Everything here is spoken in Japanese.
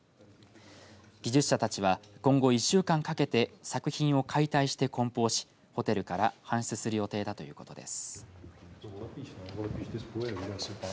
技術者たちは今後１週間かけて作品を解体してこん包しホテルから搬出する予定だということです。